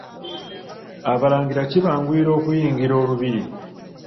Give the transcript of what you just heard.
Abalangira kibanguyira okuyingira olubiri.